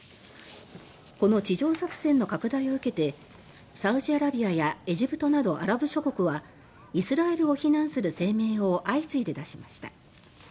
この地上作戦の拡大を受けてサウジアラビアやエジプトなどアラブ諸国はイスラエルを非難する声明を相次いで出しました。